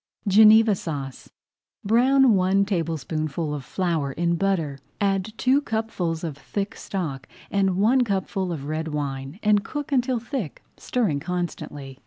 GENEVA SAUCE Brown one tablespoonful of flour in butter, add two cupfuls of thick stock and one cupful of red wine, and cook until thick, stirring constantly.